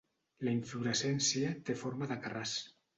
La inflorescència té forma de carràs.